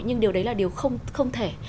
nhưng điều đấy là điều không thể